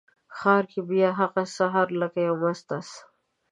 ښار کې به بیا هغه سهار لکه یو مست آس،